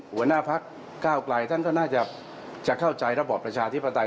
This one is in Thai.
หัวหน้าพักก้าวไกลท่านก็น่าจะเข้าใจระบอบประชาธิปไตย